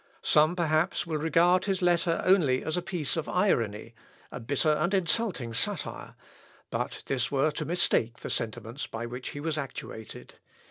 Some perhaps will regard his letter only as a piece of irony a bitter and insulting satire but this were to mistake the sentiments by which he was actuated.